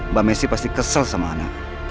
mbak messi pasti kesel sama anak